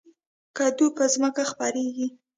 کدو په ځمکه خپریږي